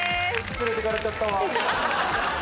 つれてかれちゃったわ。